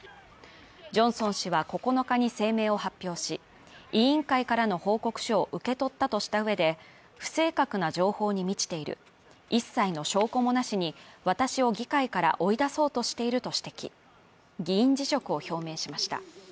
ジョンソン氏は９日に声明を発表し委員会からの報告書を受け取ったとしてうえで、不正確な情報に満ちている、一切の証拠もなしに私を議会から追い出そうとしていると指摘、議員辞職を表明しました。